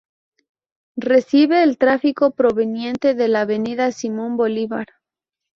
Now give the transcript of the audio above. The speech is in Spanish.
Recibe el tráfico proveniente de la avenida Simón Bolívar.